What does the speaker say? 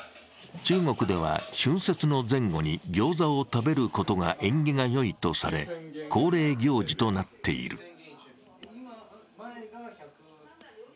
中国では春節の前後にギョーザを食べることが縁起がよいとされ、恒例行事となっている。